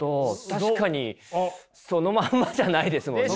確かにそのまんまじゃないですもんね。